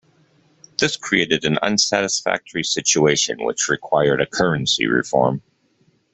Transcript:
This created an unsatisfactory situation which required a currency reform.